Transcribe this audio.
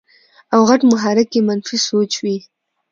او غټ محرک ئې منفي سوچ وي -